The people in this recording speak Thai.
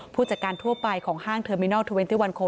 ผู้จัดการทั่วไปของห้างเทอมีเนิ้ลเทอเว็นท์ซี่วันโค